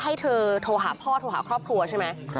ให้เธอโทรหาพ่อโทรหาครอบครัวใช่ไหม